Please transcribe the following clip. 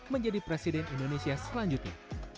menjadi presiden indonesia selanjutnya